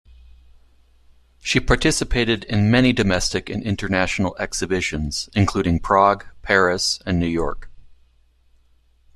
She participated in many domestic and international exhibitions, including Prague, Paris and New York.